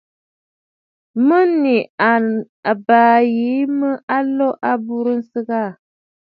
Mə̀ nɨ àbaa yìi mə a lo a aburə nsɨgə aà.